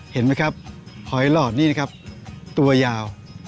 เห็นไหมครับหอยหลอดนี่นะครับตัวยาว